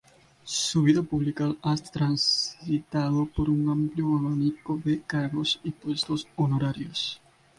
Su vida pública ha transitado por un amplio abanico de cargos y puestos honorarios.